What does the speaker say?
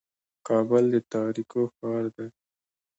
کابل د تاریکو ښار دی.